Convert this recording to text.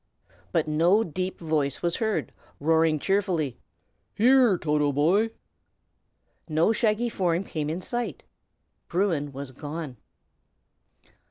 But no deep voice was heard, roaring cheerfully, "Here, Toto boy!" No shaggy form came in sight. Bruin was gone.